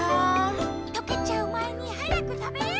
とけちゃうまえにはやくたべよう！